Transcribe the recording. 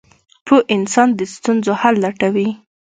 • پوه انسان د ستونزو حل لټوي.